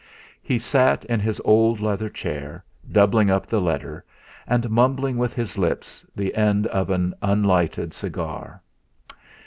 He sat in his old leather chair, doubling up the letter, and mumbling with his lips the end of an unlighted cigar.